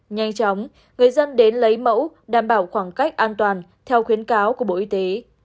nhanh chóng người dân đến lấy mẫu đảm bảo khoảng cách an toàn theo khuyến cáo của bộ y tế